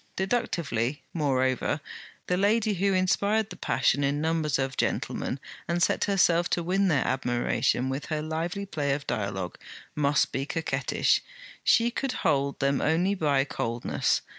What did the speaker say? Deductively, moreover, the lady who inspired the passion in numbers of gentlemen and set herself to win their admiration with her lively play of dialogue, must be coquettish; she could hold them only by coldness.